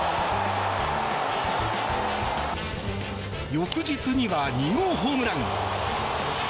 翌日には２号ホームラン。